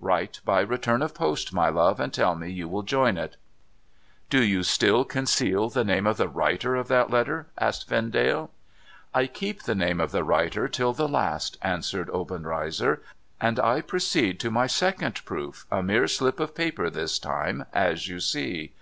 ^^'rite by return of post, my love, and tell me you will join it.' ' Do you still conceal the name of the writer of that letter ?' asked Vendale. ' I keep the name of the writer till the last,' answered Obenreizer, ' and I proceed to my second proof — a mere slip of paper this time, as you see.